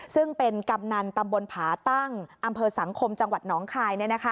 ซึ่งเป็นกำนันตำบลผาตั้งอำเภอสังคมจังหวัดน้องคาย